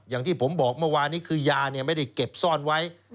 อย่างที่ผมบอกเมื่อวานนี้คือยาไม่ได้เก็บซ่อนไว้